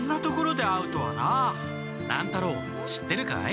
乱太郎知ってるかい？